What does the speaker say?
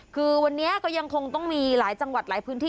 คือวันนี้ก็ยังคงต้องมีหลายจังหวัดหลายพื้นที่